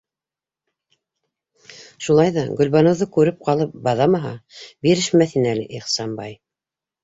Шулай ҙа, Гөлбаныуҙы күреп ҡалып баҙамаһа, бирешмәҫ ине әле Ихсанбай.